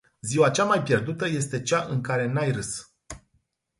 Ziua cea mai pierdută este cea în care n-ai râs.